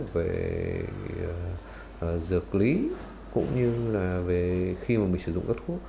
về dược lý cũng như là về khi mà mình sử dụng các thuốc